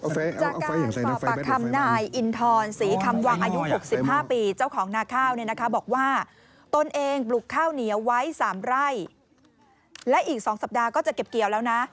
จากการสอบปากคำนายอินทรศรีคำวังอายุ๖๕ปีเจ้าของนาข้าวเนี่ยนะคะบอกว่าตนเองปลุกข้าวเหนียวไว้๓ไร่และอีก๒สัปดาห์ก็จะเก็บเกี่ยวแล้วนะ